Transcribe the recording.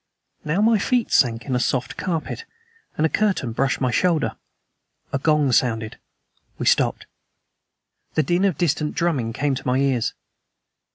Now my feet sank in a soft carpet, and a curtain brushed my shoulder. A gong sounded. We stopped. The din of distant drumming came to my ears.